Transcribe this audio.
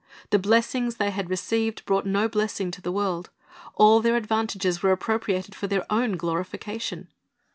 The blessings they had received brought no blessing to the world. All their advantages were appropriated for their own glorification.